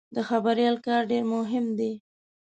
د خبریال کار ډېر مهم دی.